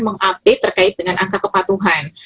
mengupdate terkait dengan angka kepatuhan